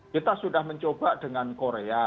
kita sudah mencoba dengan korea